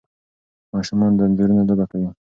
ماشومان د انځورونو لوبه کوي.